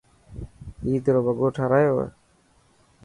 عيد رو وگو ٺارايو؟